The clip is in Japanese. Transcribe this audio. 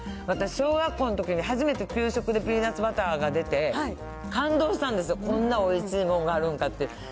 私、小学校のときに初めて給食でピーナッツバターが出て、感動したんですよ、こんなおいしいもんがあるんかっていう。